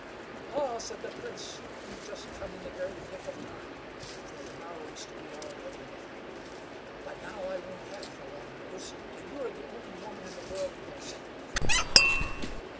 "Ah," said the Prince, "you've just come in the very nick of time, for to morrow is to be our wedding day; but now I won't have the Long nose, and you are the only woman in the world who can set me free.